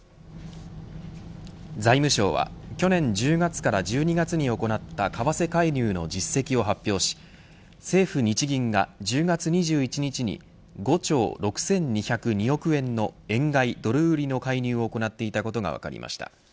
財務省は去年１０月から１２月に行った為替介入の実績を発表し政府、日銀が１０月２１日に５兆６２０２億円の円買いドル売りの介入を行っていたことが分かりました。